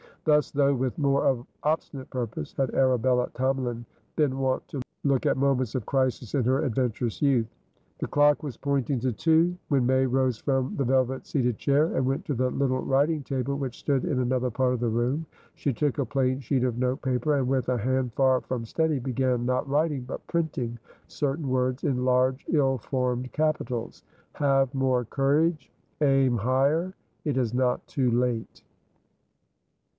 Thusthough with more of obstinate purposehad Arabella Tomalin been wont to look at moments of crisis in her adventurous youth. The clock was pointing to two, when May rose from the velvet seated chair, and went to the little writing table which stood in another part of the room. She took a plain sheet of note paper, and, with a hand far from steady, began, not writing, but printing, certain words, in large, ill formed capitals. "HAVE MORE COURAGE. AIM HIGHER. IT IS NOT TOO LATE."